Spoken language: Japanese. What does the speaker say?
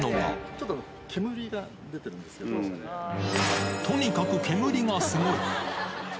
ちょっと煙が出てるんですけとにかく煙がすごい。